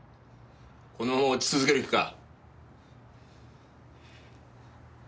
このまま落ち続ける気か？